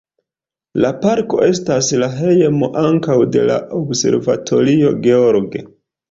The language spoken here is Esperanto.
La parko estas la hejmo ankaŭ de la Observatorio George.